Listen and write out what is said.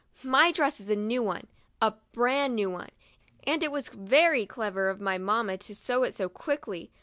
My dress is a new one — a brand new one, and it was very clever of my mamma to sew it so quickly.